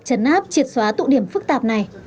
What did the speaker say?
chấn áp triệt xóa tụ điểm phức tạp này